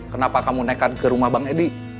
kenapa kamu nekan ke rumah bang hedi